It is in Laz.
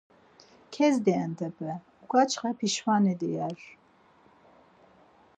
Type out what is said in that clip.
Kezdi entepe, uǩaçxe pişmani diqver.